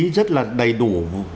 rất là đầy đủ